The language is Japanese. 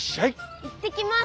行ってきます！